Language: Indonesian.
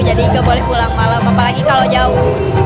jadi nggak boleh pulang malam apalagi kalau jauh